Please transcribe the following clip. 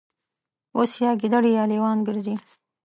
اوس یا ګیدړې یا لېوان ګرځي